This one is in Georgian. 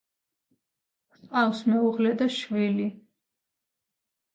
ჰყავს მეუღლე და შვილი.